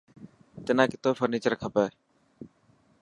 تنا ڪتو فرنيچر کپي تو.